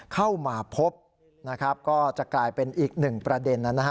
เข้ามาพบก็จะกลายเป็นอีกหนึ่งประเด็นนั้น